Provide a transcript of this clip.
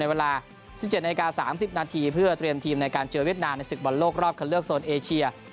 เวลา๑๗นาที๓๐นาทีเพื่อเตรียมทีมในการเจอเวียดนามในศึกบอลโลกรอบคันเลือกโซนเอเชีย